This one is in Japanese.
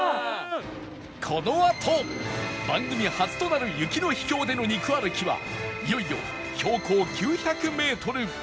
このあと番組初となる雪の秘境での肉歩きはいよいよ標高９００メートル